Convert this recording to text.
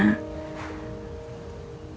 kamu punya istri